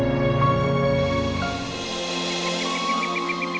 jangan lupa subscribe channel ini